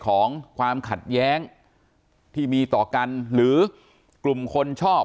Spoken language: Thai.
ของความขัดแย้งที่มีต่อกันหรือกลุ่มคนชอบ